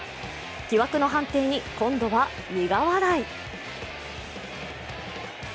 疑惑の判定に、今度は苦笑い。